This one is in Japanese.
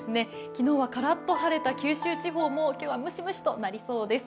昨日はカラッと晴れた九州地方も今日はムシムシとなりそうです。